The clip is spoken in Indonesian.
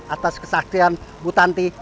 atas kesaksian butanti